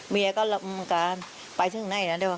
เมียก็ไปถึงใน